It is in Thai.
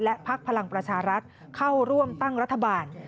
และพักพลังประชารัฐเข้าร่วมตั้งรัฐบาล